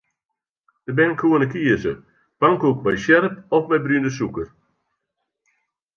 De bern koene kieze: pankoek mei sjerp of mei brune sûker.